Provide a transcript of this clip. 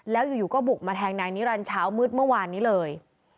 แล้วอยู่ก็บุกมาแทงนายนิรันดิ์เช้ามืดเมื่อวานนี้เลย